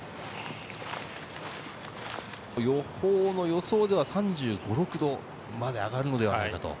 予報では３５３６度まで上がるのではないかと。